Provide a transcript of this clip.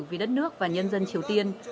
vì đất nước và nhân dân triều tiên